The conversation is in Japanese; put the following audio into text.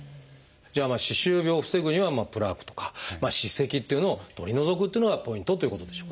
じゃあ歯周病を防ぐにはプラークとか歯石というのを取り除くっていうのがポイントということでしょうかね。